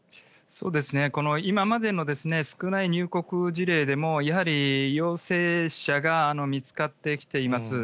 今までの少ない入国事例でも、やはり陽性者が見つかってきています。